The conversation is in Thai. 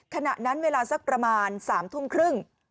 ขณะนั้นเวลาสักประมาณ๓ทุ่มครึ่ง